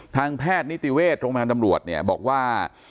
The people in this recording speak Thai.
ทางแพทย์นิติเวชโรงพยาบาลตำรวจเนี่ยบอกว่า